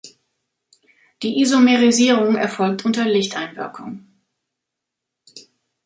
Die Isomerisierung erfolgt unter Lichteinwirkung.